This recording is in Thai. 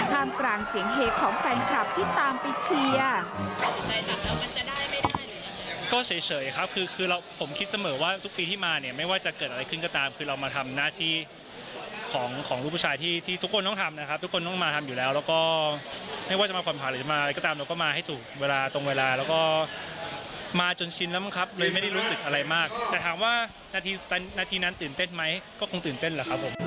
ท่ามกลางเสียงเฮของแฟนคลับที่ตามไปเชียร์